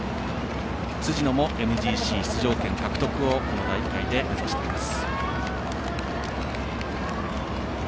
辻野もＭＧＣ出場権獲得をこの大会で目指しています。